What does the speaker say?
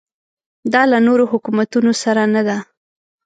دا له نورو حکومتونو سره نه ده.